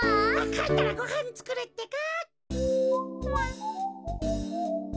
かえったらごはんつくるってか。